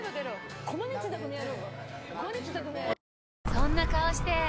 そんな顔して！